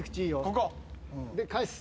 ここ。で返す。